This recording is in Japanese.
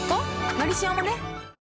「のりしお」もね